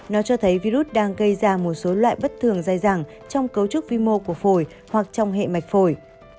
nó cho thấy virus đang gây ra một số loại bất thường dai dẳng trong cấu trúc vi mô của phổi hoặc trong hệ mạch phổi